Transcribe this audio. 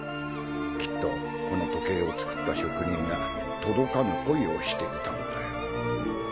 きっとこの時計を作った職人が届かぬ恋をしていたんだよ。